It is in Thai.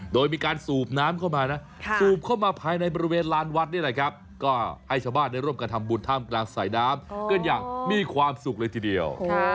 โดยมีการสูบน้ำเข้ามานะสูบเข้ามาภายในบริเวณลานวัดนี่แหละครับก็ให้ชาวบ้านได้ร่วมกันทำบุญท่ามกลางสายน้ำกันอย่างมีความสุขเลยทีเดียว